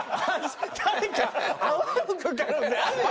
誰か泡吹く可能性あるよ。